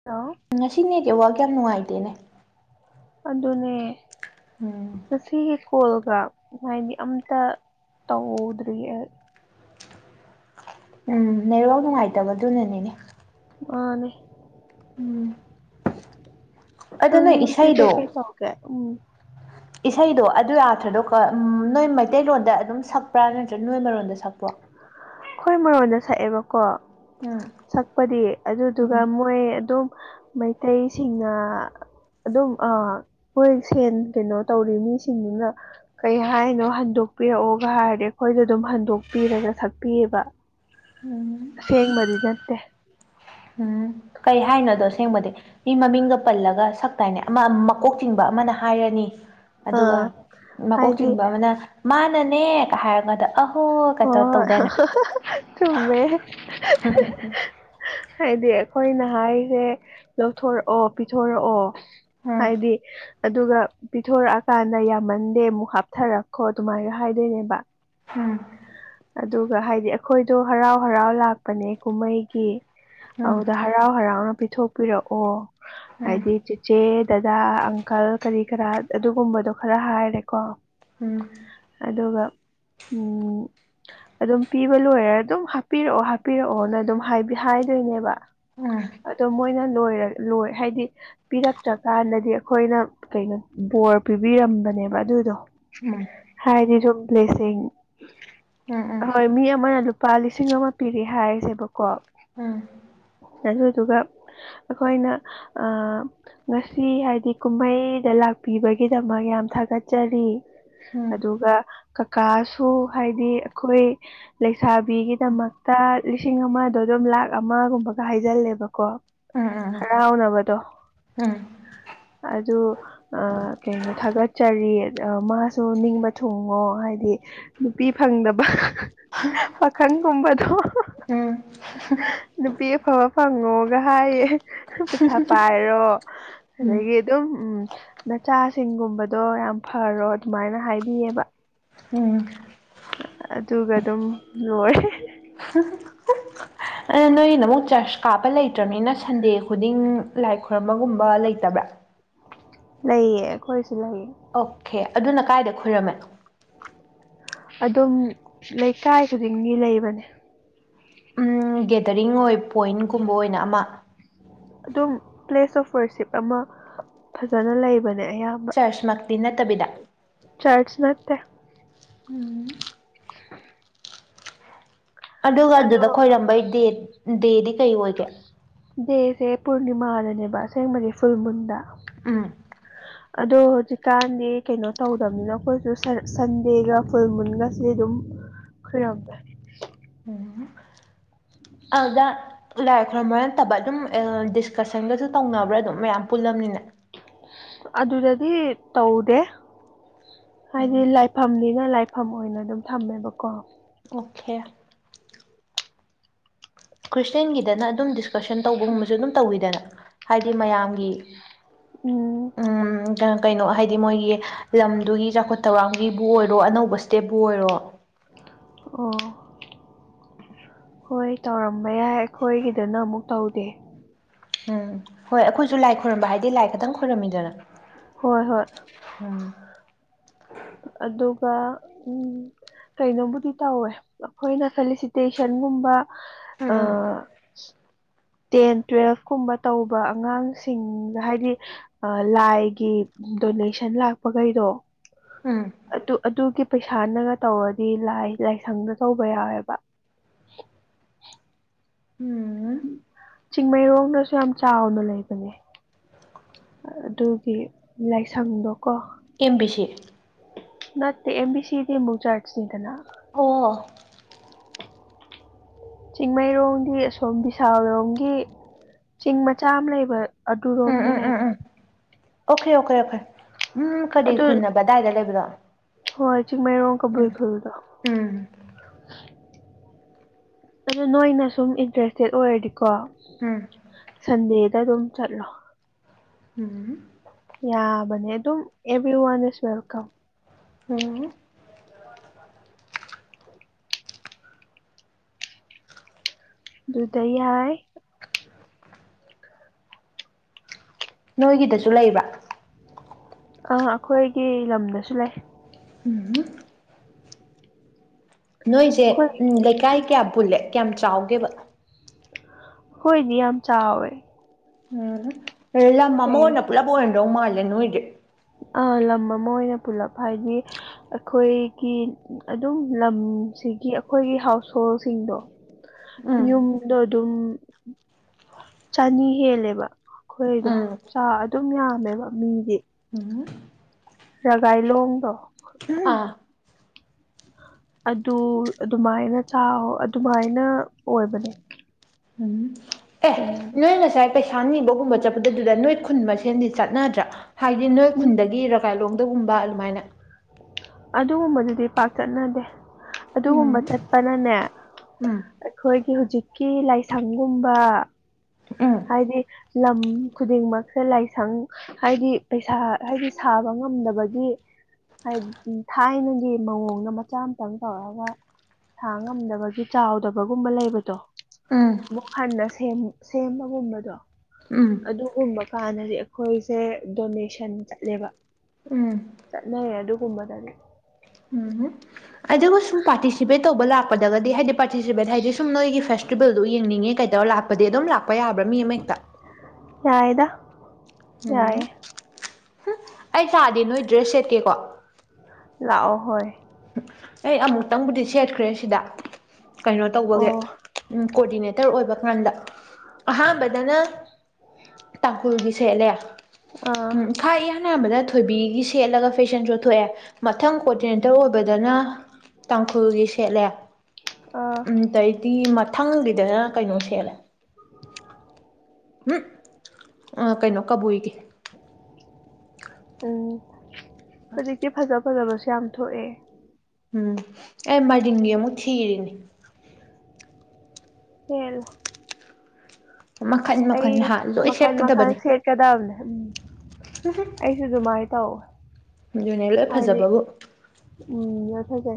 [inaudible] ꯉꯁꯤꯅꯦꯒꯤ ꯅꯦꯠꯋꯥꯥꯛꯒ ꯌꯥꯝ ꯅꯨꯡꯉꯥꯏꯇꯦꯅꯦ꯫ ꯑꯗꯨꯅꯦ꯫ ꯎꯝ ꯁꯤꯒꯤ ꯀꯣꯜꯒ ꯍꯥꯏꯗꯤ ꯑꯝꯇ ꯇꯧꯗ꯭ꯔꯤ꯫ ꯎꯝ ꯅꯦꯠꯋꯥꯛ ꯅꯨꯡꯉꯥꯏꯇꯕꯗꯨꯅꯅꯦꯕ꯫ ꯃꯥꯅꯦ꯫ ꯎꯝ꯫ ꯑꯗꯣ ꯅꯣꯏ ꯅꯪ ꯏꯁꯩꯗꯣ ꯀꯩꯀꯩꯒꯦ ꯎꯝ꯫ ꯏꯁꯩꯗꯣ ꯑꯗꯨ ꯑ꯭ꯔꯊꯗꯣ ꯅꯣꯏ ꯃꯩꯇꯩꯂꯣꯟꯗ ꯑꯗꯨꯝ ꯁꯛꯄ꯭ꯔꯥ ꯅꯠꯇ꯭ꯔꯒ ꯅꯣꯏ ꯃꯔꯣꯟꯗ ꯁꯛꯄꯣꯔ꯫ ꯑꯩꯈꯣꯏ ꯃꯔꯣꯟꯗ ꯁꯛꯑꯦꯕꯀꯣ꯫ ꯎꯝ ꯁꯛꯄꯗꯤ ꯑꯗꯨꯗꯨꯒ ꯎꯝ ꯃꯣꯏ ꯑꯗꯨꯝ ꯃꯩꯇꯩꯁꯤꯡꯅ꯫ ꯑꯗꯨꯝ ꯃꯣꯏ ꯁꯦꯟ ꯀꯩꯅꯣ ꯇꯧꯔꯤ ꯃꯤꯁꯤꯡꯗꯨꯅ꯫ ꯀꯩ ꯍꯥꯏꯅꯣ ꯍꯟꯗꯣꯛꯄꯤꯔꯛꯑꯣꯒ ꯍꯥꯏꯔꯗꯤ ꯑꯩꯈꯣꯏꯗ ꯑꯗꯨꯝ ꯍꯟꯗꯣꯛꯄꯤꯔꯒ ꯁꯛꯄꯤꯌꯦꯕ꯫ ꯎꯝ꯫ ꯑꯁꯦꯡꯕꯗꯤꯅꯠꯇꯦ꯫ ꯎꯝ ꯀꯩ ꯍꯥꯏꯅꯣꯗꯣ ꯑꯁꯦꯡꯕꯗꯤ ꯃꯤ ꯃꯃꯤꯡꯒ ꯄꯜꯂꯒ ꯁꯛꯇ ꯍꯥꯏꯅꯦ ꯑꯃ ꯑꯃ꯫ ꯃꯀꯣꯛ ꯆꯤꯡꯕ ꯑꯃꯅ ꯍꯥꯏꯔꯅꯤ ꯑꯗꯨꯒ ꯑꯥ ꯃꯀꯣꯛ ꯍꯥꯏꯗꯤ ꯆꯤꯡꯕ ꯑꯃꯅ꯫ ꯃꯥꯅꯅꯦ ꯍꯥꯏꯔꯝꯒꯗ꯫ ꯑꯍꯣ꯫ ꯍꯣꯏ ꯊꯃꯦ꯫ ꯎꯝ ꯍꯥꯏꯗꯤ ꯑꯩꯈꯣꯏꯅ ꯍꯥꯏꯁꯦ ꯂꯧꯊꯣꯔꯛꯑꯣ ꯄꯤꯊꯣꯔꯛꯑꯣ꯫ ꯎꯝ ꯍꯥꯏꯗꯤ꯫ ꯑꯗꯨꯒ ꯄꯤꯊꯣꯔꯛꯑꯀꯥꯟꯗ ꯌꯥꯝꯃꯟꯗꯦ ꯑꯃꯨꯛ ꯍꯥꯞꯊꯔꯛꯈꯣ ꯑꯗꯨꯃꯥꯏꯒ ꯍꯥꯏꯗꯣꯏꯅꯦꯕ꯫ ꯎꯝ꯫ ꯑꯗꯨꯒ ꯍꯥꯏꯗꯤ ꯑꯩꯈꯣꯏꯗꯣ ꯍꯔꯥꯎ ꯍꯔꯥꯎ ꯂꯥꯛꯄꯅꯦ ꯀꯨꯝꯍꯩꯒꯤ꯫ ꯎꯝ ꯑꯗꯨꯗ ꯍꯔꯥꯎ ꯍꯔꯥꯎꯅ ꯄꯤꯊꯣꯛꯄꯤꯔꯛꯑꯣ ꯎꯝ ꯍꯥꯏꯗꯤ꯫ ꯏꯆꯦ ꯗꯗꯥ ꯑꯪꯀꯜ ꯀꯔꯤ ꯀꯔꯥ ꯑꯗꯨꯒꯨꯝꯕꯗꯣ ꯈꯔ ꯍꯥꯏꯔꯦꯀꯣ꯫ ꯎꯝ꯫ ꯑꯗꯨꯒ ꯎꯝ꯫ ꯑꯗꯨꯝ ꯄꯤꯕ ꯂꯣꯏꯔ ꯑꯗꯨꯝ ꯍꯥꯞꯄꯤꯔꯛꯑꯣ ꯍꯥꯞꯄꯤꯔꯛꯑꯣꯅ ꯑꯗꯨꯝ ꯍꯥꯏꯗꯣꯏꯅꯦꯕ꯫ ꯎꯝ ꯑꯗꯣ ꯃꯣꯏꯅ ꯂꯣꯏꯔ ꯂꯣꯏ ꯍꯥꯏꯗꯤ꯫ ꯄꯤꯔꯛꯇ꯭ꯔꯀꯥꯟꯗꯗꯤ ꯑꯩꯈꯣꯏꯅ ꯀꯩꯅꯣ ꯕꯣꯔ ꯄꯤꯕꯤꯔꯝꯕꯅꯦꯕ ꯑꯗꯨꯗꯣ꯫ ꯎꯝ꯫ ꯍꯥꯏꯕꯁꯨ ꯭ꯂꯤꯁꯤꯡ꯫ ꯎꯝ꯫ ꯍꯣꯏ ꯃꯤ ꯑꯃꯅ ꯂꯨꯄꯥ ꯂꯤꯁꯤꯡ ꯑꯃ ꯄꯤꯔꯦ ꯍꯥꯏꯁꯦꯕꯀꯣ꯫ ꯑꯝ ꯑꯗꯨꯗꯨꯒ ꯑꯩꯈꯣꯏꯅ ꯉꯁꯤ ꯍꯥꯏꯗꯤ ꯀꯨꯝꯍꯩꯗ ꯂꯥꯛꯄꯤꯕꯒꯤꯗꯃꯛ ꯌꯥꯝ ꯊꯥꯒꯠꯆꯔꯤ ꯑꯗꯨꯒ ꯀꯀꯥꯁꯨ ꯍꯥꯏꯗꯤ ꯑꯩꯈꯣꯏ ꯂꯩꯁꯥꯕꯤꯒꯤꯗꯃꯛꯇ ꯂꯤꯁꯤꯡ ꯑꯃꯗꯣ ꯑꯗꯨꯝ ꯂꯥꯛ ꯑꯃꯒꯨꯝꯕꯒ ꯍꯥꯏꯖꯜꯂꯦꯕꯀꯣ ꯍ ꯍꯥꯎ ꯅꯕꯗꯣ ꯑꯗꯨ ꯀꯩꯅꯣ ꯊꯥꯒꯠꯆꯔꯤ ꯃꯥ ꯁꯨ ꯅꯤꯡꯕ ꯊꯨꯡꯉꯣ ꯍꯥꯏꯗꯤ ꯅꯨꯄꯤ ꯐꯪꯗꯕ꯫ ꯄꯥꯈꯪꯒꯨꯝꯕꯗꯣ ꯅꯨꯄꯤ ꯑꯐꯕ꯫ ꯐꯪꯉꯣꯒ ꯍꯥꯏꯌꯦ ꯄꯩꯁꯥ ꯄꯥꯏꯔꯣ ꯑꯗꯒꯤ꯫ ꯑꯗꯨꯝ ꯎꯝ ꯅꯆꯥꯁꯤꯡꯒꯨꯝꯕꯗꯣ ꯌꯥꯝ ꯐꯔꯣ ꯑꯗꯨꯃꯥꯏꯅ ꯍꯥꯏꯕꯤꯌꯦꯕ꯫ ꯎꯝ꯫ ꯑꯗꯨꯒ ꯑꯗꯨꯝ ꯂꯣꯏꯔꯦ꯫ ꯑꯗꯣ ꯅꯣꯏꯒꯤꯗꯃꯛ ꯆꯔꯆ ꯀꯥꯞꯄ ꯂꯩꯇ꯭ꯔꯕꯅꯤꯅ ꯁꯟꯗꯦ ꯈꯨꯗꯤꯡ ꯂꯥꯏ ꯈꯨꯣꯏꯔꯕꯒꯨꯝꯕ ꯂꯩꯇꯕ꯭ꯔꯥ꯫ ꯂꯩꯌꯦ ꯑꯩꯈꯣꯏꯁꯨ ꯂꯩꯌꯦ ꯑꯣꯀꯦ ꯑꯗꯨꯅ ꯀꯥꯏꯗ ꯈꯔꯝꯃꯦ ꯑꯗꯨꯝ ꯂꯩꯀꯥꯏ ꯈꯨꯗꯤꯡꯒꯤ ꯂꯩꯕꯅꯦ ꯎ ꯒꯦꯗꯔꯤꯡ ꯑꯣꯏ ꯄꯣꯏꯟꯀꯨꯝꯕ ꯑꯣꯏꯅ ꯑꯃ ꯑꯗꯨꯝ ꯄ꯭ꯂꯦꯁ ꯑꯣꯐ ꯋꯔꯁꯤꯞ ꯑꯃ ꯐꯖꯅ ꯂꯩꯕꯅꯦ ꯑꯌꯥꯝꯕ ꯆꯔꯁꯃꯛꯇꯤ ꯅꯠꯇꯕꯤꯗ ꯆꯥꯖꯁ ꯅꯥꯛꯇ ꯎꯝ ꯑꯗꯨꯒ ꯑꯗꯣ ꯑꯗꯨꯗ ꯈꯣꯏꯔꯝꯕꯩ ꯗꯦ ꯗꯦꯗꯤ ꯀꯩ ꯑꯣꯏꯒ ꯗꯦꯁꯦ ꯄꯨꯔꯅꯤꯃꯥꯗꯅꯦꯕ ꯑꯁꯦꯡꯕꯗꯤ ꯐꯨꯜ ꯃꯨꯟꯗ ꯎꯝ ꯑꯗꯣ ꯍꯧꯖꯤꯛꯀꯥꯟꯗꯤ ꯀꯩꯅꯣ ꯇꯧꯗꯕꯅꯤꯅ ꯑꯩꯈꯣꯏꯁꯨ ꯁꯟꯗꯦꯒ ꯐꯨꯜ ꯃꯨꯟꯒꯁꯤꯗꯤ ꯑꯗꯨꯝ ꯈꯔꯗ ꯎꯝ ꯑꯗꯨꯗ ꯂꯥꯏꯔꯤ ꯈꯣꯏꯔꯝꯕ ꯅꯠꯇꯕ ꯑꯗꯨꯝ ꯗꯤꯁꯀꯁꯟꯒꯁꯨ ꯇꯧꯅꯕ꯭ꯔꯥ ꯑꯗꯨꯝ ꯃꯌꯥꯝ ꯄꯨꯜꯂꯝꯕꯅꯤꯅ ꯑꯗꯨꯗꯗꯤ ꯇꯧꯗꯦ ꯎꯝ ꯍꯥꯏꯗꯤ ꯂꯥꯏ ꯐꯝꯅꯤꯅ ꯂꯥꯏꯐꯝ ꯑꯣꯏꯅ ꯑꯗꯨꯝ ꯊꯝꯃꯦꯕꯀꯣ ꯑꯣꯀꯦ ꯈ꯭ꯔꯤꯁꯇꯦꯟꯒꯤꯗꯅ ꯑꯗꯨꯝ ꯗꯤꯁꯀꯁꯟ ꯇꯧꯕꯒꯨꯝꯕꯁꯨ ꯑꯗꯨꯝ ꯇꯧꯋꯤꯗꯅ ꯍꯥꯏꯗꯤ ꯃꯌꯥꯝꯒꯤ ꯎꯝ ꯀꯩꯅꯣ ꯍꯥꯏꯗꯤ ꯃꯣꯏꯒꯤ ꯂꯝꯗꯨꯒꯤ ꯆꯥꯎꯈꯠ ꯊꯧꯔꯥꯡꯒꯤꯕꯨ ꯑꯣꯏꯔꯣ ꯑꯅꯧꯕ ꯏꯁꯇꯦꯠꯄꯕꯨ ꯑꯣꯏꯔꯣ ꯑꯣ ꯍꯣꯏ ꯇꯧꯔꯝꯕ ꯌꯥꯏ ꯑꯩꯈꯣꯏꯒꯤꯗꯅ ꯑꯃꯨꯛ ꯇꯧꯗꯦ ꯎꯝ ꯍꯣꯏ ꯑꯩꯈꯣꯏꯁꯨ ꯂꯥꯏ ꯈꯣꯏꯔꯝꯕ ꯍꯥꯏꯗꯤ ꯂꯥꯏ ꯈꯇꯪ ꯈꯣꯏꯔꯝꯃꯤꯗꯅ ꯍꯣꯏ ꯍꯣꯏ ꯎꯝ ꯑꯗꯨꯒ ꯀꯩꯅꯣꯕꯨꯗꯤ ꯇꯧꯋꯦ ꯑꯩꯈꯣꯏꯅ ꯐꯦꯂꯤꯁꯤꯇꯦꯁꯟꯒꯨꯝꯕ ꯑ ꯎꯝ ꯇꯦꯟ ꯇꯨꯋꯦꯜꯐ ꯀꯨꯝꯕ ꯇꯧꯕ ꯑꯉꯥꯡꯁꯤꯡꯗ ꯍꯥꯏꯗꯤ ꯂꯥꯏꯒꯤ ꯗꯣꯅꯦꯁꯟ ꯂꯥꯛꯄꯈꯩꯗꯣ ꯎꯝ ꯑꯗꯨ ꯑꯗꯨꯒꯤ ꯄꯩꯁꯥꯅꯒ ꯇꯧꯔꯗꯤꯥꯏ ꯂꯥꯏꯁꯪꯗ ꯇꯧꯕ ꯌꯥꯎꯋꯦꯕ ꯎꯝ ꯆꯤꯡꯃꯩꯔꯣꯡꯗꯁꯨ ꯌꯥꯝ ꯆꯥꯎꯅ ꯂꯩꯕꯅꯦ ꯑꯗꯨꯒꯤ ꯂꯥꯏꯁꯪꯗꯣꯀꯣ ꯑꯦꯝꯕꯤ ꯁꯤ ꯃꯦ ꯑꯦ ꯕꯤ ꯁꯤ ꯏꯗꯤ ꯃ ꯆꯥꯁꯅꯤꯗꯅ ꯑꯣ ꯆꯤꯡꯃꯩꯔꯣꯡꯝꯒꯤ ꯑꯁꯣꯝ ꯕꯤꯁꯥꯜꯂꯣꯡꯝꯒꯤ ꯆꯤꯡ ꯃꯆꯥ ꯑꯃ ꯂꯩꯕ ꯑꯗꯨꯔꯣꯝꯗ ꯂꯩꯕ ꯑꯣꯈꯦ ꯑꯣꯈꯦ ꯑꯣꯈꯦ ꯎꯝ ꯀꯔꯤ ꯑꯗꯨ ꯈꯨꯨꯟ ꯑꯕ ꯑꯗꯥꯏꯗ ꯂꯩꯕꯗꯣ ꯍꯣꯏ ꯆꯤꯡꯃꯩꯔꯣꯡ ꯀꯕꯨꯢ ꯎꯝ ꯈꯨꯜꯗꯣ ꯎꯝ ꯑꯗꯨ ꯅꯣꯏꯅ ꯁꯨꯝ ꯏꯟꯇꯔꯦꯁꯇꯦꯠ ꯑꯣꯏꯔꯗꯤꯀꯣ ꯎꯝ ꯁꯟꯗꯦꯗ ꯑꯗꯨꯝ ꯆꯠꯂꯣ ꯎꯝ ꯌꯥꯕꯅꯦ ꯑꯗꯨꯝ ꯑꯦꯕꯔꯤ ꯋꯥꯟ ꯏꯁ ꯋꯦꯜꯀꯝ ꯎꯝ ꯇ ꯍꯥꯏ ꯅꯣꯏꯒꯤꯗꯁꯨ ꯂꯩꯕ꯭ꯔꯥ ꯑ ꯑꯩꯈꯣꯏꯒꯤ ꯂꯝꯗꯁꯨ ꯂꯩ ꯎꯝ ꯅꯣꯏꯁꯦ ꯑꯩꯈꯣꯏ ꯎ ꯂꯩꯀꯥꯏ ꯀꯌꯥꯝ ꯄꯨꯜꯂꯦ ꯀꯌꯥꯝ ꯆꯥꯎꯒꯦꯕ ꯍꯣꯏꯗꯤ ꯌꯥꯝ ꯆꯥꯎꯋꯦ ꯎꯝ ꯑꯦꯂ ꯃꯃ ꯀꯩ ꯑꯣꯟꯅ ꯄꯨꯂꯕꯔꯗꯣꯃ ꯂꯩꯦ ꯅꯣꯣꯏꯦ ꯑꯥ ꯂꯝ ꯑꯃ ꯑꯣꯏꯅ ꯄꯨꯂꯞ ꯍꯥꯏꯗꯤ ꯑꯩꯈꯣꯏꯒꯤ ꯑꯗꯨꯝ ꯂꯝꯁꯤꯒꯤ ꯑꯈꯣꯏꯒꯤ ꯍꯥꯎꯁ ꯍꯣꯜꯁꯤꯡꯗꯣ ꯎꯝ ꯌꯨꯝꯗꯣ ꯑꯗꯨꯝ ꯆꯅꯤ ꯍꯦꯜꯂꯦꯕ ꯑꯈꯣꯏꯗꯣ ꯎꯝ ꯆꯥ ꯑꯗꯨꯝ ꯌꯥꯝꯃꯦꯕ ꯃꯤꯗꯤ ꯎꯝ ꯔꯥꯒꯥꯢꯂꯣꯡꯗꯣ ꯑꯥ ꯑꯗꯨ ꯑꯗꯨꯃꯥꯏꯅ ꯆꯥꯎ ꯑꯗꯨꯃꯥꯏꯅ ꯑꯣꯏꯕꯅꯦ ꯎꯝ ꯑꯦ ꯀꯩꯅꯣꯗꯣ ꯅꯣꯏ ꯉꯁꯥꯏ ꯄꯩꯁꯥ ꯅꯤꯕꯒꯨꯝꯕ ꯆꯠꯄꯗꯗꯨꯗ ꯅꯣꯏ ꯈꯨꯟ ꯃꯁꯦꯟꯗꯤ ꯆꯠꯅꯗ꯭ꯔꯥ ꯍꯥꯏꯗꯤ ꯅꯣꯏ ꯎꯝ ꯈꯨꯟꯗꯒꯤ ꯔꯥ꯫ ꯒꯥꯏꯂꯣꯡꯗꯒꯨꯝꯕ ꯑꯗꯨꯃꯥꯏꯅ ꯑꯗꯨꯒꯨꯝꯕꯗꯨꯗꯤ ꯄꯥꯛ ꯆꯠꯅꯗꯦ ꯎꯝ ꯑꯗꯨꯒꯨꯝꯕ ꯆꯠꯄꯅꯅꯦ ꯎꯝ ꯑꯩꯈꯣꯏꯒꯤ ꯍꯧꯖꯤꯛꯀꯤ ꯂꯥꯏꯁꯪꯒꯨꯝꯕ ꯎꯝ ꯍꯥꯏꯗꯤ ꯂꯝ ꯈꯨꯗꯤꯡꯃꯛꯁꯦ ꯂꯥꯏꯁꯪ- ꯍꯥꯏꯗꯤ ꯄꯩꯁꯥ ꯍꯥꯏꯗꯤ ꯁꯥꯕ ꯉꯝꯗꯕꯒꯤ- ꯍꯥꯏꯗꯤ ꯊꯥꯏꯅꯒꯤ ꯃꯑꯣꯡꯗ ꯃꯆꯥ ꯑꯃꯇꯪ ꯇꯧꯔꯑꯒ- ꯁꯥ ꯉꯝꯗꯕꯒꯤ ꯆꯥꯎꯗꯕꯒꯨꯝꯕ ꯂꯩꯕꯗꯣ ꯎꯝ ꯑꯃꯨꯛ ꯍꯟꯅ ꯁꯦꯝ ꯁꯦꯝꯕꯒꯨꯝꯕꯗꯣ꯫ ꯎꯝ ꯑꯗꯨꯒꯨꯝꯕ ꯀꯥꯟꯗꯗꯤ ꯑꯈꯣꯏꯁꯦ ꯗꯣꯅꯦꯁꯟ ꯆꯠꯂꯦꯕ꯫ ꯎꯝ꯫ ꯆꯠꯅꯩ ꯑꯗꯨꯒꯨꯝꯕꯗꯗꯤ꯫ ꯎꯝ ꯑꯗꯨꯕꯨ ꯁꯨꯝ ꯄꯥꯔꯇꯤꯁꯤꯄꯦꯠ ꯇꯧꯕ ꯂꯥꯛꯄꯗꯒꯗꯤ ꯍꯥꯏꯗꯤ ꯄꯥꯔꯇꯤꯁꯤꯄꯦꯠ ꯍꯥꯏꯗꯤ ꯁꯨꯝ ꯅꯣꯏꯒꯤ ꯐꯦꯁ ꯇ꯭ꯔꯤꯕꯜꯗꯨ ꯌꯦꯡꯅꯤꯡꯉꯦ ꯀꯩꯇꯧꯔ ꯂꯥꯛꯄꯗꯤ ꯑꯗꯨꯝ ꯂꯥꯛꯄ ꯌꯥꯕ꯭ꯔꯥ ꯃꯤ ꯑꯃꯍꯦꯛꯇ꯫ ꯌꯥꯏꯗ꯫ ꯎꯝ ꯌꯥꯏꯌꯦ ꯍꯨꯝ ꯑꯩ ꯁꯥꯔꯗꯤ ꯅꯣꯏ ꯗ꯭ꯔꯦꯁ ꯁꯦꯠꯀꯦꯀꯣ꯫ ꯂꯥꯛꯑꯣ ꯍꯣꯏ꯫ ꯑꯩ ꯑꯃꯨꯛꯇꯪꯕꯨꯗꯤ ꯁꯦꯠꯈ꯭ꯔꯦ ꯁꯤꯗ ꯀꯩꯅꯣ ꯇꯧꯕꯒꯤ ꯑꯣ ꯎꯝ ꯀꯣꯑꯣꯗꯤꯅꯦꯇꯔ ꯑꯣꯏꯕ ꯀꯥꯟꯗ ꯑꯍꯥꯟꯕꯗꯅ ꯇꯥꯡꯈꯨꯜꯒꯤ ꯁꯦꯠꯂꯦ ꯑꯥ ꯎꯝ ꯈꯥꯢ ꯏꯍꯥꯟ ꯍꯥꯟꯕꯗ ꯊꯣꯏꯕꯤꯒꯤ ꯁꯦꯠꯂꯒ ꯐꯦꯁꯟ ꯁꯣ ꯊꯣꯛꯑꯦ ꯃꯊꯪ ꯀꯣꯗꯤꯅꯦ ꯗ ꯑꯣꯏꯕꯗꯅ ꯇꯥꯡꯈꯨꯜꯒꯤ ꯁꯦꯠꯂꯦ ꯑꯥ ꯎꯝꯗꯩꯗꯤ ꯊꯪꯒꯤꯗꯅ ꯀꯩꯅꯣ ꯁꯦꯠꯂꯦ꯫ [unintelligible] ꯎꯍꯝ ꯑꯥ ꯀꯩꯅꯣ ꯀꯕꯨꯏꯒꯤ ꯎꯝ ꯐꯖꯤ ꯀꯦ ꯐꯖꯕ ꯐꯖꯕꯁꯨ ꯌꯥꯝ ꯊꯣꯛꯑꯦ ꯎꯝ ꯑꯩ ꯃꯗꯤꯡꯒꯤ ꯑꯃꯨꯛ ꯊꯤꯔꯤꯅꯤ ꯍꯂ ꯃꯈꯟ ꯑꯩ ꯃꯈꯟ ꯍꯥ ꯂꯣꯏ ꯃꯈꯜ ꯃꯈꯜ ꯁꯦꯠꯀꯗꯕꯅꯤ ꯁꯦꯠꯀꯗꯕꯅꯦ ꯎꯝ ꯑꯩꯁꯨ ꯑꯗꯨꯃꯥꯏꯅ ꯇꯧꯋꯦ ꯑꯗꯨꯅꯦ ꯂꯣꯏ ꯍꯥꯏꯗꯤ ꯐꯖꯕꯕꯨ ꯎꯝ ꯌꯥ ꯐꯖꯦ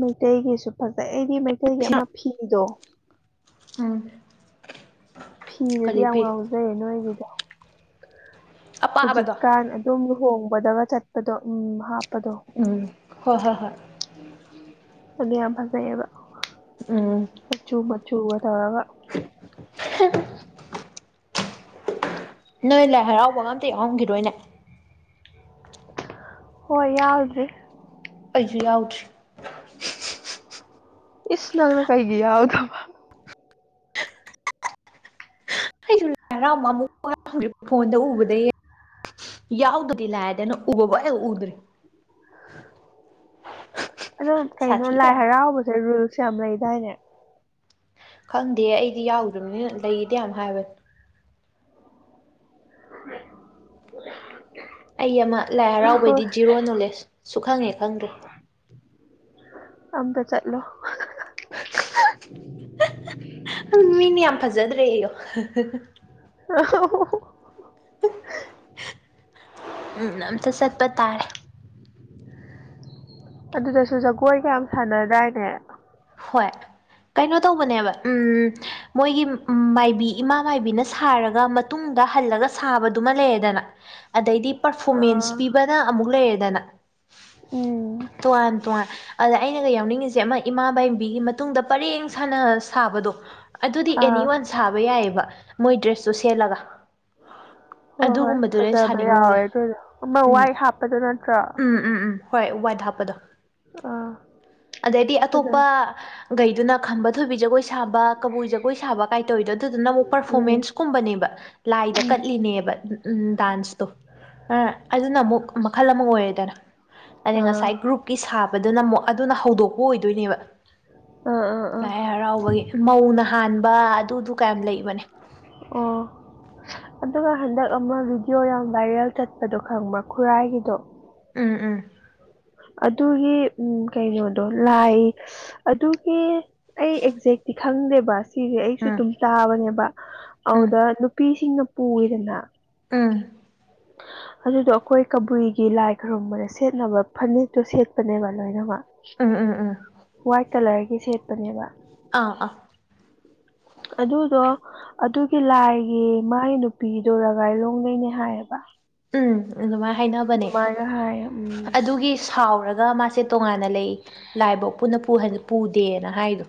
ꯃꯩꯇꯩꯒꯤꯁꯨ ꯐꯖꯩ ꯑꯩꯗꯤ ꯃꯩꯇꯩꯒꯤ ꯑꯃ ꯐꯤꯗꯣ ꯎꯝ꯫ ꯐꯤꯗꯨꯗꯤ ꯀꯔꯤ ꯌꯥꯝ ꯐꯤ ꯉꯥꯎꯖꯩꯌꯦ ꯅꯣꯏꯒꯤꯗꯣ꯫ ꯑꯄꯥꯕꯗꯣ ꯍꯧꯖꯤꯛꯀꯥꯟ ꯑꯗꯨꯝ ꯂꯨꯍꯣꯡꯕꯗꯒ ꯆꯠꯄꯗꯣ ꯎꯝ ꯍꯥꯞꯄꯗꯣ꯫ ꯎꯝ ꯍꯣꯏ ꯍꯣꯏ ꯍꯣꯏ꯫ [inaudible] ꯑꯗꯨ ꯌꯥꯝ ꯐꯖꯩꯌꯦꯕ꯫ ꯎꯝ ꯃꯆꯨ ꯃꯆꯨꯒ ꯇꯥꯒ [unintelligible] ꯅꯣꯏ ꯂꯥꯏ ꯍꯔꯥꯎꯕꯒ ꯑꯝꯇ ꯌꯥꯎꯔꯝꯈꯤꯗꯣꯏꯅꯦ ꯍꯣꯏ ꯌꯥꯎꯗ꯭ꯔꯔꯤ ꯑꯩꯁꯨ ꯌꯥꯎꯗ꯭ꯔꯤ ꯏꯁ ꯅ ꯃ ꯀꯩꯒ ꯑꯣꯗ ꯍꯔꯕ ꯑꯃꯨꯛꯔ ꯐꯣꯟꯗ ꯎꯕꯗ ꯌꯥꯎꯗ ꯂꯥꯏꯗꯅ ꯎꯕꯋ ꯎꯗ꯭ꯔ ꯑꯗꯨꯣ ꯀꯩꯅꯣ ꯂꯥꯏ ꯁꯥꯊꯤꯗ꯭ꯔꯥ ꯍꯔꯥꯎꯕꯁꯦ ꯔꯨꯜꯁ ꯌꯥꯝ ꯂꯩꯗꯥꯏꯅꯦ ꯈꯪꯗꯦ ꯑꯩꯗꯤ ꯌꯥꯎꯗ꯭ꯔꯕꯅꯤꯅ ꯂꯩꯗ ꯌꯥꯝ ꯍꯥꯏꯕꯅꯤ [unintelligible] ꯑꯩ ꯑꯃ ꯂꯥꯏ ꯍꯣꯏ ꯍꯔꯥꯎꯕꯩꯗꯤ ꯖꯤꯔꯣ ꯅꯣꯂꯦꯖꯁꯨ ꯈꯪꯉꯦ ꯈꯪꯗ꯭ꯔꯦ ꯑꯝꯇ ꯆꯠꯂꯣ ꯃꯤꯅ ꯌꯥꯝ ꯐꯖꯗ꯭ꯔꯦ ꯑꯩꯌꯣ ꯑꯣ ꯑꯝꯇ ꯆꯠꯄ ꯇꯥꯔꯦ ꯑꯗꯨꯗꯁꯨ ꯖꯒꯣꯏ ꯀꯌꯥꯝ ꯁꯥꯟꯅꯗꯥꯏꯅꯦ ꯍꯣꯏ ꯀꯩꯅꯣ ꯇꯧꯕꯅꯦꯕ ꯎꯝ ꯃꯣꯏꯒꯤ ꯃꯥꯏꯕꯤ ꯏꯃꯥ ꯃꯥꯏꯕꯤꯅ ꯁꯥꯔꯒ ꯃꯇꯨꯡꯗ ꯍꯜꯂꯒ ꯁꯥꯕꯗꯨꯃ ꯂꯩꯔꯗꯅ ꯑꯗꯩꯗꯤ ꯄꯔꯐꯣꯔꯃꯦꯟꯁ ꯑꯥ ꯄꯤꯕꯅ ꯑꯃꯨꯛ ꯂꯩꯔꯦꯗꯅ ꯎꯝ ꯇꯣꯉꯥꯟ ꯇꯣꯉꯥꯟ ꯑꯗ ꯑꯩꯅꯒ ꯌꯥꯎꯅꯤꯡꯉꯤꯁꯦ ꯑꯃ ꯏꯃꯥꯕꯥꯏ ꯃꯇꯨꯡ ꯑꯗꯨꯅꯤ ꯑꯥ ꯁꯥꯕ ꯌꯥꯏꯑꯕ ꯃꯣꯏ ꯗ꯭ꯔꯦꯁꯇꯨ ꯁꯦꯠꯂꯒ ꯎ ꯍꯣꯏ ꯍꯣꯏ ꯑꯗꯨꯒꯨꯝꯕꯗꯨꯅꯦ ꯐꯖꯕ ꯁꯥꯅꯤꯡꯉꯤꯁꯦ ꯌꯥꯎꯋꯦ ꯑꯗꯨꯗ ꯑꯃ ꯎꯝ ꯋꯥꯏ ꯍꯥꯞꯄꯗꯣ ꯅꯠꯇ꯭ꯔꯣ ꯎꯝ ꯎꯝ ꯎꯝ ꯍꯣꯏ ꯋꯥꯏꯗ ꯍꯥꯞꯄꯗꯣ ꯑꯥ ꯑꯗꯩꯗꯤ ꯑꯇꯣꯞꯄꯒꯩꯗꯨꯅ ꯈꯝꯕ ꯊꯣꯏꯕꯤ ꯖꯒꯣꯏ ꯁꯥꯕ ꯀꯕꯨꯏ ꯖꯒꯣꯏ ꯁꯥꯕ ꯀꯥꯏꯇꯧꯋꯤꯗꯣ ꯑꯗꯨꯗꯨꯅ ꯑꯃꯨꯛ ꯎꯝ ꯄꯔꯐꯣꯃꯦꯟꯁ ꯀꯨꯝꯕꯅꯦꯕ ꯂꯥꯏꯗ ꯎꯝ ꯀꯠꯂꯤꯅꯦꯕ ꯎꯝ ꯗꯥꯟꯁꯇꯣ ꯑ ꯑꯗꯨꯅ ꯑꯃꯨꯛ ꯃꯈꯜ ꯑꯃ ꯑꯣꯏꯔꯦꯗꯅ ꯑꯗꯩ ꯑꯥ ꯉꯁꯥꯏ ꯒ꯭ꯔꯨꯞ ꯀꯤ ꯁꯥꯕꯗꯨꯅ ꯑꯃꯨꯛ ꯑꯗꯨꯅ ꯍꯧꯗꯣꯛꯄ ꯑꯣꯏꯗꯣꯏꯅꯦꯕ ꯑ ꯑ ꯂꯥꯏ ꯍꯔꯥꯎꯕꯒꯤ ꯃꯧꯅ ꯍꯥꯟꯕ ꯑꯗꯨꯗꯨ ꯀꯌꯥꯝ ꯂꯩꯕꯅꯦ ꯑꯣ ꯑꯗꯨꯒ ꯍꯟꯗꯛ ꯑꯃ ꯚꯤꯗꯤꯑꯣ ꯌꯥꯝ ꯚꯥꯏꯔꯦꯜ ꯆꯠꯄꯗꯣ ꯈꯪꯕ ꯈꯨꯔꯥꯏꯒꯤꯗꯣ ꯎꯝ ꯎꯝ ꯑꯗꯨꯒꯤ ꯎꯝ ꯀꯩꯅꯣꯗꯣ ꯂꯥꯏ ꯑꯗꯨꯒꯤ ꯑꯩ ꯑꯦꯛꯖꯦꯛꯇꯤ ꯈꯪꯗꯦ ꯕꯁ ꯁꯤꯁꯦ ꯑꯩꯁꯨ ꯎꯝ ꯑꯗꯨꯝ ꯇꯥꯕꯅꯦꯕ ꯑꯗꯨꯗ ꯅꯨꯄꯤꯁꯤꯡꯅ ꯄꯨꯔꯤꯗꯅ ꯑꯝ ꯑ ꯑꯗꯨꯗꯣ ꯑꯩꯈꯣꯏ ꯀꯕꯨꯏꯒꯤ ꯂꯥꯏ ꯈꯔꯨꯝꯕꯗ ꯁꯦꯠꯅꯕ ꯐꯅꯛꯇꯣ ꯁꯦꯠꯄꯅꯦꯕ ꯂꯣꯏꯅꯃꯛ ꯎꯝ ꯎꯝ ꯎꯝ ꯎꯝ ꯋꯥꯏꯠ ꯀꯂꯔꯒꯤ ꯁꯦꯠꯄꯅꯦꯕ ꯑꯥ ꯑꯥ ꯎ ꯑꯗꯨꯗꯣ ꯑꯗꯨꯒꯤ ꯂꯥꯏꯒꯤ ꯃꯥꯏ ꯅꯨꯄꯤꯗꯣ ꯂꯒꯥꯏꯂꯣꯡꯗꯩꯅꯦ ꯍꯥꯏꯌꯦꯕ ꯎꯝ ꯑꯗꯨꯃꯥꯏꯅ ꯍꯥꯏꯅꯕꯅꯦ ꯑꯗꯨꯃꯥꯏꯅ ꯍꯥꯏꯌꯦ ꯎꯝ ꯑꯗꯨꯒꯤ ꯁꯥꯎꯔꯒ ꯃꯥꯁꯦ ꯇꯣꯉꯥꯟꯅ ꯂꯩ ꯂꯥꯏꯐꯧ ꯄꯨꯟꯅ ꯄꯨꯗꯦꯅ ꯍꯥꯏꯗꯣ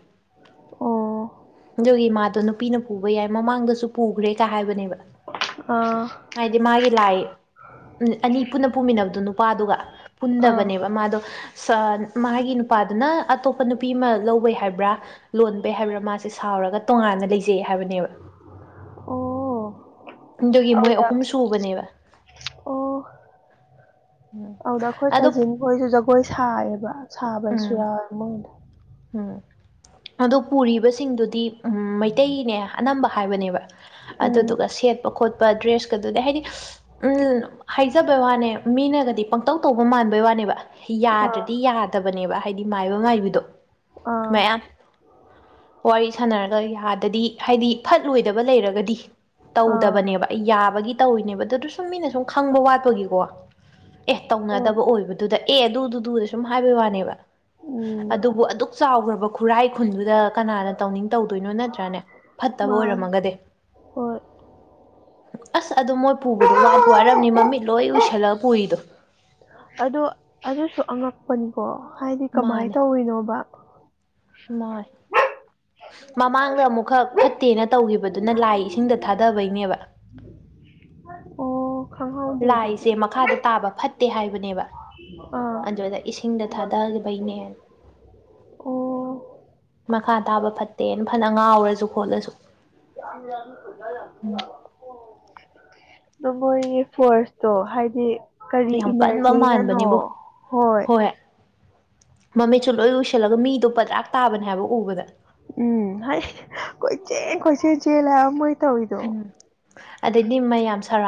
ꯑꯣ ꯑꯗꯨꯒꯤ ꯃꯥꯗꯣ ꯅꯨꯄꯤꯅ ꯄꯨꯕ ꯌꯥꯏ ꯃꯃꯥꯡꯗꯁꯨ ꯄꯨꯈ꯭ꯔꯦ ꯀ ꯍꯥꯏꯕꯅꯦꯕ ꯑꯥ ꯍꯥꯏꯗꯤ ꯃꯥꯒꯤ ꯂꯥꯏ ꯑꯅꯤ ꯄꯨꯟꯅ ꯄꯨꯃꯤꯟꯅꯕꯗꯣ ꯅꯨꯄꯥꯗꯨꯒ ꯑꯥ ꯄꯨꯟꯗꯕꯅꯦꯕ ꯃꯥꯗꯣ ꯃꯥꯒꯤ ꯅꯨꯄꯥꯗꯨꯅ ꯑꯇꯣꯞꯄ ꯅꯨꯄꯤ ꯑꯃ ꯂꯧꯕꯩ ꯍꯥꯏꯕ꯭ꯔꯥ ꯂꯣꯟꯕ ꯍꯥꯏꯕ꯭ꯔꯥ ꯃꯥꯁꯦ ꯁꯥꯎꯔꯒ ꯇꯣꯉꯥꯟꯅ ꯂꯩꯖꯩ ꯍꯥꯏꯕꯅꯦꯕ ꯑꯣ ꯑꯗꯨꯒꯤ ꯃꯣꯏ ꯑꯗꯨꯗ ꯑꯍꯨꯝ ꯁꯨꯕꯅꯦꯕ ꯑꯣ ꯎꯝ ꯑꯗꯨꯗ ꯑꯩꯈꯣꯏ ꯑꯗꯣ ꯀꯖꯤꯟ ꯈꯣꯏꯁꯨ ꯖꯒꯣꯏ ꯁꯥꯏꯌꯦꯕ ꯁꯕꯁꯨ ꯎꯝ ꯌꯥꯎꯔꯨ ꯎꯝ ꯑꯗꯨ ꯄꯨꯔꯤꯕꯁꯤꯡꯗꯨꯗꯤ ꯎꯝ ꯃꯩꯇꯩꯅꯦ ꯑꯅꯝꯕ ꯍꯥꯏꯕꯅꯦꯕ ꯎꯝ ꯑꯗꯨꯗꯨꯒ ꯁꯦꯠꯄ ꯈꯣꯠꯄ ꯗ꯭ꯔꯦꯁꯀꯗꯨꯗꯤ ꯍꯥꯏꯗꯤ ꯎꯝ ꯍꯥꯏꯖꯕꯩ ꯋꯥꯅꯦ ꯃꯤꯅꯒꯗꯤ ꯄꯪꯇꯧ ꯇꯧꯕ ꯃꯥꯟꯕꯩ ꯋꯥꯅꯦꯕ ꯑꯥ ꯌꯥꯗ꯭ꯔꯗꯤ ꯌꯥꯗꯕꯅꯦꯕ ꯍꯥꯏꯗꯤ ꯃꯥꯏꯕ ꯃꯥꯏꯕꯗꯣ ꯑꯥ ꯃꯌꯥꯝ ꯋꯥꯔꯤ ꯁꯥꯟꯅꯔꯒ ꯌꯥꯗꯗꯤ ꯍꯥꯏꯗꯤ ꯐꯠꯂꯣꯏꯗꯕ ꯂꯩꯔꯒꯗꯤ ꯑꯥ ꯇꯧꯗꯕꯅꯦꯕ ꯑꯩ ꯌꯥꯕꯒꯤ ꯇꯧꯋꯅꯦꯕ ꯑꯗꯨꯗ ꯁꯨꯝ ꯃꯤꯅ ꯁꯨꯝ ꯈꯪꯕ ꯋꯥꯠꯄꯒꯤꯀꯣ ꯑꯦ ꯍꯣꯏ ꯇꯧꯅꯗꯕ ꯑꯣꯏꯕꯗꯨꯗ ꯑꯦ ꯑꯗꯨꯗꯨꯗꯨꯗ ꯁꯨꯝ ꯍꯥꯏꯕꯩ ꯋꯥꯅꯦꯕ ꯎꯝ ꯑꯗꯨꯕꯨ ꯍꯧꯈ꯭ꯔꯕ ꯈꯨꯔꯥꯏ ꯈꯨꯟꯗꯨꯗ ꯀꯅꯥꯅ ꯇꯧꯅꯤꯡ ꯇꯧꯗꯣꯏꯅꯣ ꯅꯠꯇ꯭ꯔꯅꯦ ꯐꯠꯇꯕ ꯃꯥꯅꯤ ꯑꯣꯏꯔꯝꯃꯒꯗꯤ ꯍꯣꯏ ꯑꯁ ꯑꯗꯨꯣ ꯃꯣꯏ ꯄꯨꯕꯗꯣ ꯋꯥꯗꯤ ꯋꯥꯔꯝꯅꯤ ꯃꯃꯤꯠ ꯂꯣꯏ ꯎꯏꯁꯜꯂꯒ ꯄꯨꯏꯗꯣ ꯑꯗꯣ ꯑꯗꯨꯁꯨ ꯑꯉꯛꯄꯅꯤꯀꯣ ꯍꯥꯏꯗꯤ ꯀꯃꯥꯏꯅ ꯇꯧꯔꯤꯅꯣꯕ ꯃꯥꯏ ꯃꯃꯥꯡꯗ ꯑꯃꯨꯛꯈꯛ ꯐꯠꯇꯦꯅ ꯇꯧꯈꯤꯕꯗꯨꯅ ꯂꯥꯏ ꯏꯁꯤꯡꯗ ꯊꯥꯗꯕꯩꯅꯦꯕ ꯑꯣ ꯈꯪꯍꯧꯗꯦ ꯑꯗꯨꯗꯤ ꯂꯥꯏꯁꯦ ꯃꯈꯥꯗ ꯇꯥꯕ ꯐꯠꯇꯦ ꯍꯥꯏꯕꯅꯦꯕ ꯑꯥ ꯑꯗꯨꯗ ꯏꯁꯤꯡꯗ ꯊꯥꯗꯕꯩꯅꯦ ꯑꯣ ꯃꯈꯥ ꯇꯥꯕ ꯐꯠꯇꯦꯅ ꯐꯅ ꯉꯥꯎꯔꯁꯨ ꯈꯣꯠꯂꯁꯨ ꯈꯖꯁꯤ ꯌꯥꯒꯥ ꯅꯃꯣꯏꯒꯤ ꯐꯣꯔꯁꯇꯣ ꯍꯥꯏꯗꯤ ꯀꯔꯤ ꯌꯥꯝ ꯀꯟꯕ ꯏꯅꯔꯖꯤꯅꯅꯣ ꯃꯥꯟꯕꯅꯤꯕꯣ ꯍꯣꯏ ꯃꯃꯤꯠꯁꯨ ꯂꯣꯏ ꯎꯏꯁꯤꯜꯂꯒ ꯃꯤꯗꯣ ꯄꯗ꯭ꯔꯥꯛ ꯇꯥꯕꯅꯦ ꯍꯥꯏꯕ ꯎꯕꯗ ꯎꯝ ꯍꯥꯏ ꯀꯣꯏꯁꯦ ꯀꯣꯏꯁꯦ ꯆꯂ ꯃꯣꯏ ꯇꯧꯔꯤꯗꯣ ꯎꯝ ꯑꯗꯩꯗꯤ ꯃꯌꯥꯝ ꯁꯔꯥꯎ